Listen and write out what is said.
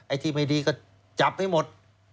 ที่ไม่ดีก็จับให้หมด